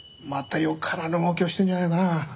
またよからぬ動きをしてるんじゃないかなあ。